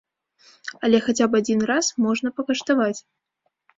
Але хаця б адзін раз можна пакаштаваць.